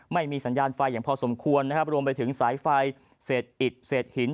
ไม่มีสัญญาณไฟอย่างพอสมควรนะครับรวมไปถึงสายไฟเศษอิดเศษหิน